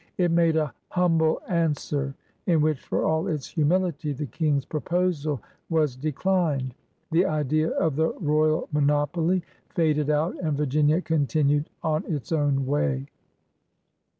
It made a Humble Anstoere in whi(di> for all its humility, the King's proposal was de clined. The idea of the royal monopoly faded out, and Virginia continued on its own way.